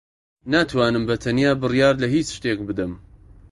ناتوانم بەتەنیا بڕیار لە ھیچ شتێک بدەم.